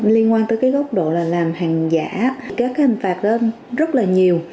liên quan tới cái gốc độ là làm hàng giả các cái hành phạt lên rất là nhiều